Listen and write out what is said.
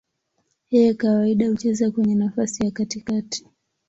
Yeye kawaida hucheza kwenye nafasi ya katikati.